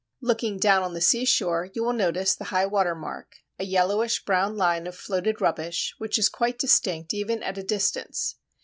Looking down on the seashore, you will notice the high water mark, a yellowish brown line of floated rubbish which is quite distinct even at a distance.